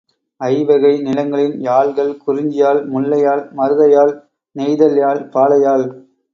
ஐவகை நிலங்களின் யாழ்கள்: குறிஞ்சியாழ், முல்லையாழ், மருதயாழ், நெய்தல்யாழ், பாலையாழ்.